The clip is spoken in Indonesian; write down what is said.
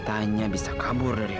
aku gak boleh lagi